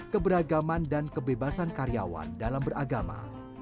keberagaman dan kebebasan karyawan dalam beragama